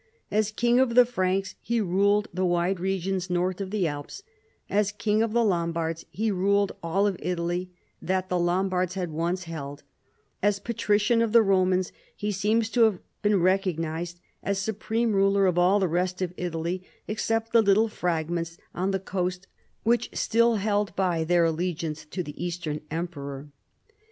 As King; of the Franks he ruled the wide regions north of the Alps : as King of the Lombards he ruled all of Italy that the Lombards had once held : as Patrician of the Romans he seems to have been recoo'nized as supreme ruler of all the rest of Italy except the lit tle fragments on the coast which still held by their allegiance to the eastern emperor.